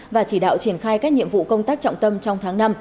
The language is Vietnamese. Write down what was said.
và chỉ đạo triển khai các nhiệm vụ công tác trọng tâm trong tháng năm